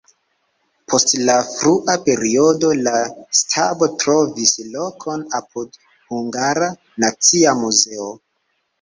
Post la frua periodo la stabo trovis lokon apud Hungara Nacia Muzeo.